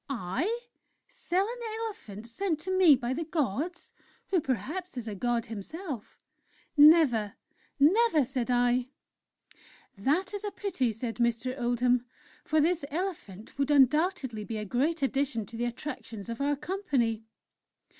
"'I? Sell an elephant sent to me by the Gods ... who perhaps is a God himself?... Never! Never!' said I. "'That is a pity,' said Mr. Oldham: 'for this elephant would undoubtedly be a great addition to the attractions of our company.'